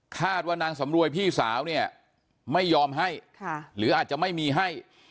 ว่านางสำรวยพี่สาวเนี่ยไม่ยอมให้หรืออาจจะไม่มีให้